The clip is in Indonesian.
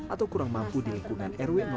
atau kurang mampu di lingkungan rw lima suntar muara